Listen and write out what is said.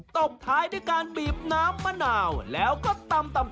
ตบท้ายด้วยการบีบน้ำมะนาวแล้วก็ตำ